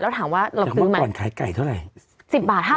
แล้วถามว่าเราซื้อไหมจากเมื่อก่อนขายไก่เท่าไหร่